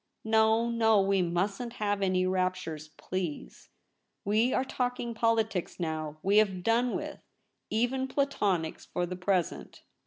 * No, no, we mustn't have any raptures, please. We are talking politics now; we have done with — even Platonics for the present.